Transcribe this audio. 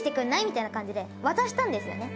みたいな感じで渡したんですよね。